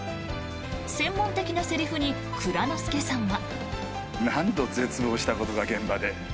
専門的なセリフに蔵之介さんは。